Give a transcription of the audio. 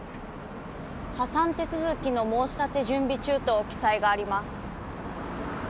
破産手続きの申し立て準備中と記載があります。